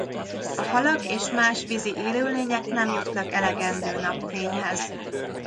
A halak és más vízi élőlények nem jutnak elegendő napfényhez.